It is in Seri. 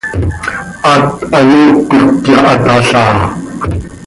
Haat hanoohcö quij cöyahatalhaa.